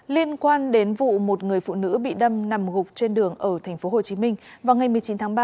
liên quan đến vụ một người phụ nữ bị đâm nằm gục trên đường ở tp hcm vào ngày một mươi chín tháng ba